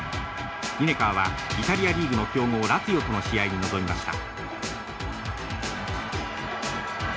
リネカーはイタリアリーグの強豪ラツィオとの試合に臨みました。